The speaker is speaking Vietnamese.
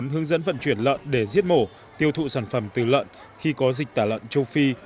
hướng dẫn vận chuyển lợn để giết mổ tiêu thụ sản phẩm từ lợn khi có dịch tả lợn châu phi